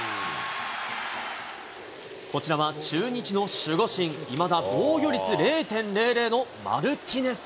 こちらは中日の守護神、いまだ防御率０．００のマルティネス。